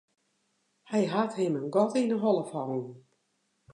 Hy hat him in gat yn 'e holle fallen.